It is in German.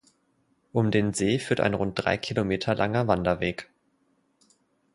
Um den See führt ein rund drei Kilometer langer Wanderweg.